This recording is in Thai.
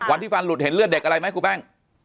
ฟันหลุดเห็นเลือดเด็กอะไรไหมครูแป้ง